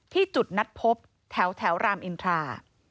ที่จุดนัดพบแถวรามอินทรา